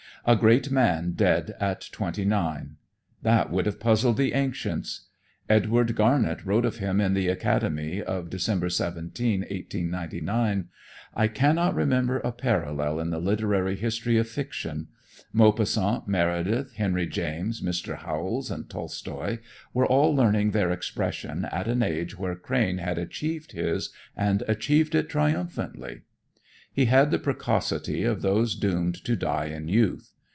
A great man dead at twenty nine! That would have puzzled the ancients. Edward Garnett wrote of him in The Academy of December 17, 1899: "I cannot remember a parallel in the literary history of fiction. Maupassant, Meredith, Henry James, Mr. Howells and Tolstoy, were all learning their expression at an age where Crane had achieved his and achieved it triumphantly." He had the precocity of those doomed to die in youth.